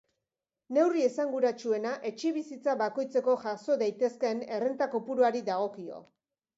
Neurri esanguratsuena etxebizitza bakoitzeko jaso daitezkeen errenta kopuruari dagokio.